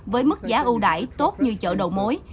với mức giá ưu đại tốt như chợ đầu mối